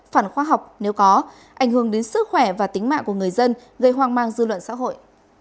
phản khoa học nếu có ảnh hưởng đến sức khỏe và tính mạng của người dân gây hoang mang dư luận xã hội